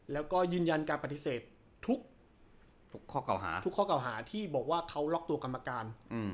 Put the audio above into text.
แล้วก็ยืนยันการปฏิเสธทุกข้อกล่าวหาที่บอกว่าเขาล็อกตัวกรรมการ